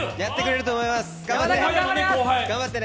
頑張ってね。